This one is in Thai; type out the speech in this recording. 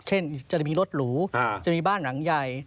เช่นจะมีรถหรูจะมีบ้านหลังใหญ่